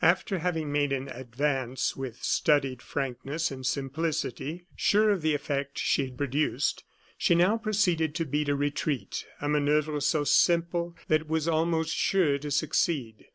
After having made an advance, with studied frankness and simplicity, sure of the effect she had produced, she now proceeded to beat a retreat a manoeuvre so simple that it was almost sure to succeed.